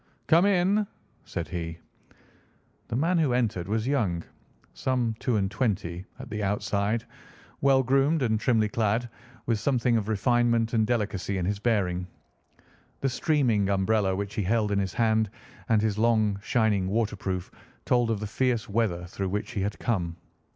"Come in!" said he. The man who entered was young, some two and twenty at the outside, well groomed and trimly clad, with something of refinement and delicacy in his bearing. The streaming umbrella which he held in his hand, and his long shining waterproof told of the fierce weather through which he had come.